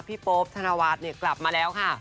พี่โป๊ปธนวาสกลับมาแล้วค่ะ